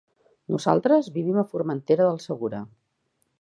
Nosaltres vivim a Formentera del Segura.